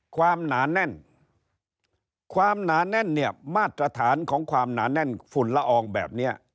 หนาแน่นความหนาแน่นเนี่ยมาตรฐานของความหนาแน่นฝุ่นละอองแบบนี้